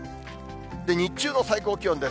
日中の最高気温です。